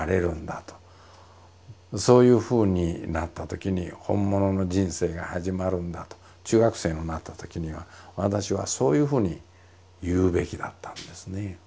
そういうふうになったときに本物の人生が始まるんだと中学生になったときには私はそういうふうに言うべきだったんですね。